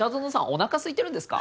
おなかすいてるんですか？